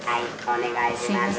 お願いします。